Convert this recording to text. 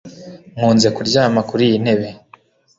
Nkunze kuryama kuriyi ntebe